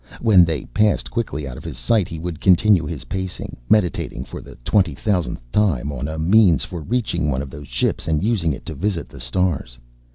When they passed quickly out of his sight he would continue his pacing, meditating for the twenty thousandth time on a means for reaching one of those ships and using it to visit the stars.